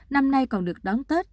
năm nay còn được đón tết